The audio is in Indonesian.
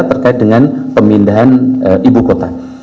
terkait dengan pemindahan ibu kota